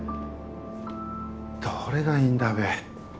どれがいいんだべ。